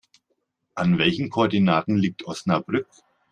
An welchen Koordinaten liegt Osnabrück?